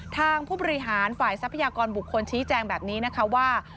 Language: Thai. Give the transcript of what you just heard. ผู้บริหารฝ่ายทรัพยากรบุคคลชี้แจงแบบนี้นะคะว่า